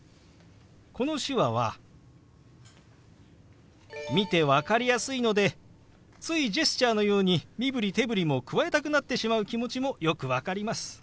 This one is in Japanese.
この手話は見て分かりやすいのでついジェスチャーのように身振り手振りも加えたくなってしまう気持ちもよく分かります。